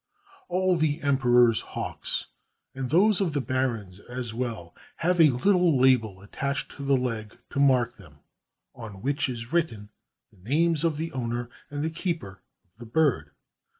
All the emperor's hawks, and those of the barons as io8 HOW KUBLAI KHAN WENT A HUNTING well, have a little label attached to the leg to mark them, on which is written the names of the owner and the keeper of the bird.